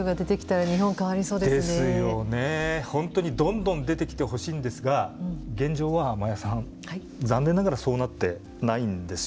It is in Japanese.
本当にどんどん出てきてほしいんですが現状は真矢さん残念ながらそうなってないんですよ。